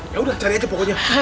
ya udah cari aja pokoknya